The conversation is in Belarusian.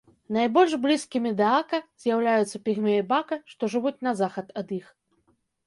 Найбольш блізкімі да ака з'яўляюцца пігмеі бака, што жывуць на захад ад іх.